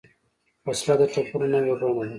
وسله د ټپونو نوې بڼه ده